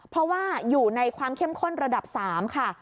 เพราะว่าอยู่ในความเข้มข้นระดับ๓ค่ะ